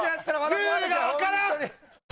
ルールがわからん！